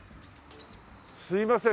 すいません。